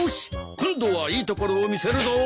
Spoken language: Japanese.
今度はいいところを見せるぞ。